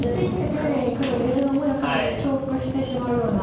丁寧に黒入れるのもやっぱり重複してしまうような。